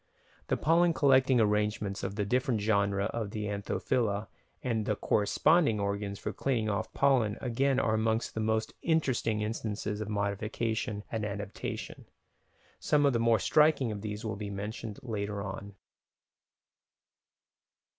The pollen collecting arrangements of the different genera of the Anthophila and the corresponding organs for cleaning off the pollen again are amongst the most interesting instances of modification and adaptation: some of the more striking of these will be mentioned later on.